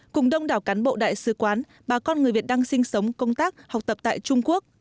cùng đông đảo cán bộ đại sứ quán bà con người việt đang sinh sống công tác học tập tại trung quốc